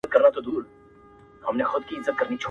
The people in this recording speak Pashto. •« ځنګل چی اور واخلی نو وچ او لانده ګډ سوځوي» -